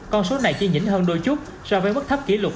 con số này chỉ nhỉnh hơn đôi chút so với mức thấp kỷ lục